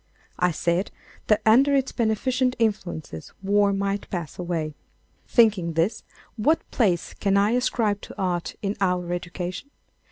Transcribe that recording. I said that under its beneficent influences war might pass away. Thinking this, what place can I ascribe to art in our education?